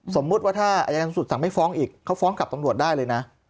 สมมุติว่าถ้าอายการสุดสั่งไม่ฟ้องอีกเขาฟ้องกับตำรวจได้เลยนะ